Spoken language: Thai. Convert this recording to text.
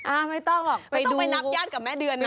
อ้าวไม่ต้องหรอกไปดูไม่ต้องไปนับญาติกับแม่เดือนนะ